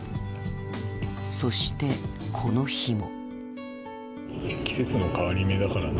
そしてこの日も。